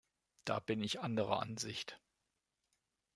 Da bin ich anderer Ansicht.